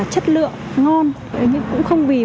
chất lượng ngon cũng không vì